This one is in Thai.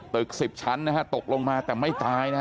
ตึก๑๐ชั้นตกลงมาแต่ไม่ตายนะครับ